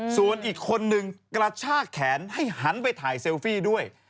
ส่วนอีกคนนึงกระชากแขนให้หันไปถ่ายเซลฟี่ด้วย